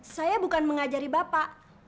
saya bukan mengajari bapak